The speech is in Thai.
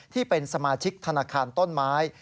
ที่เป็นสมาชิกธนาคารต้นไม้